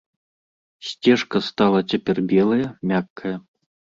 Сцежка стала цяпер белая, мяккая.